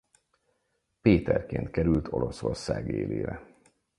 Péterként került Oroszország élére.